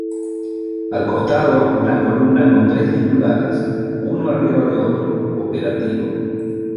Al costado una columna con tres titulares, uno arriba de otro: “Operativo.